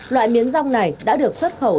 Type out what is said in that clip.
loại miến rong này đã được xuất khẩu